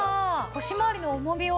腰まわりの重みを。